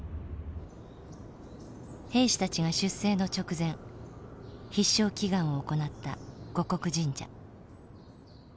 兵士たちが出征の直前必勝祈願を行った護國神社。